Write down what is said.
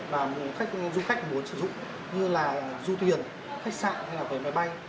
và một khách du khách muốn sử dụng như là du thuyền khách sạn hay là cái máy bay